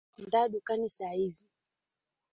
Nda dukani saa hizi